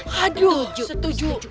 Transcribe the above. hah aduh setuju